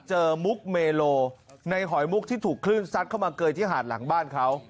มุกเมโลในหอยมุกที่ถูกคลื่นซัดเข้ามาเกยที่หาดหลังบ้านเขา